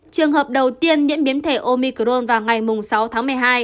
trường hợp đầu tiên nhiễm biến thể omicrone vào ngày sáu tháng một mươi hai